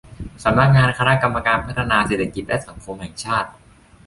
สำนักงานคณะกรรมการพัฒนาการเศรษฐกิจและสังคมแห่งชาติ